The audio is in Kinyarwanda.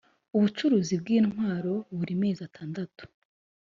bucuruzi bw intwaro buri mezi atandatu